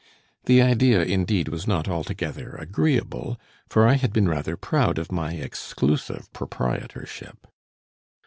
"The idea indeed was not altogether agreeable, for I had been rather proud of my exclusive proprietorship.